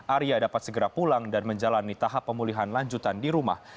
arya dapat segera pulang dan menjalani tahap pemulihan lanjutan di rumah